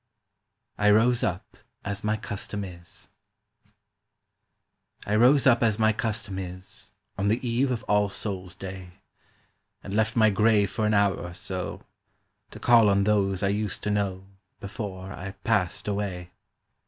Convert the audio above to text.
"I ROSE UP AS MY CUSTOM IS" I ROSE up as my custom is On the eve of All Souls' day, And left my grave for an hour or so To call on those I used to know Before I passed away.